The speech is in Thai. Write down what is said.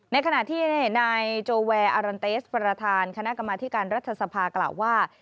ในขณะที่นายโจแวร์อารันเตสประธานคณะกรรมธิการรัฐสภากล่าวว่า